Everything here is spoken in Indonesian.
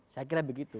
saya kira begitu